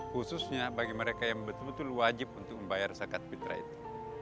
khususnya bagi mereka yang betul betul wajib untuk membayar zakat fitrah itu